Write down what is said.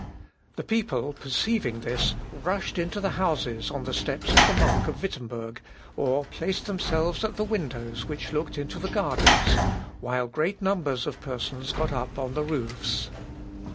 The people perceiving this rushed into the houses on the steps of the monk of Wittemberg, or placed themselves at the windows which looked into the gardens, while great numbers of persons got up on the roofs.